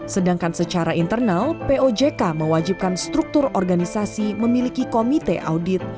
sedangkan secara internal pojk mewajibkan struktur organisasi memiliki komite audit